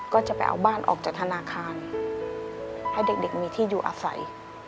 ก็จะไปเอาบ้านออกจากธนาคารให้เด็กมีที่อยู่อาศัย